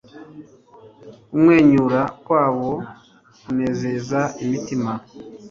Kumwenyura kwabo kunezaza imitima